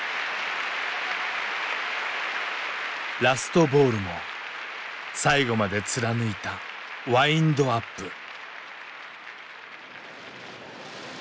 ラストボールも最後まで貫いたワインドアップ。